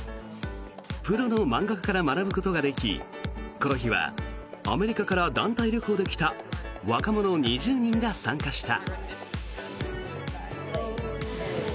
プロの漫画家から学ぶことができこの日はアメリカから団体旅行で来た若者２０人が参加した。